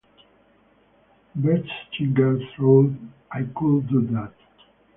Bertschinger thought: I could do that.